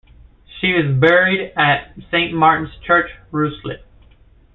She is buried at Saint Martin's Church, Ruislip.